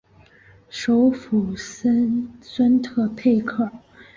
首府森孙特佩克。